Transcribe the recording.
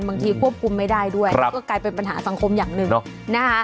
ควบคุมไม่ได้ด้วยก็กลายเป็นปัญหาสังคมอย่างหนึ่งนะคะ